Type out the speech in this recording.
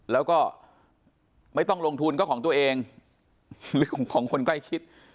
แล้วก็ไม่ต้องลงทุนก็ของตัวเองหรือของคนใกล้ชิด